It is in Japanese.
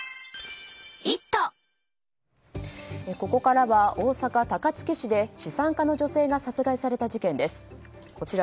ここからは大阪・高槻市で資産家の女性が殺害された事件です。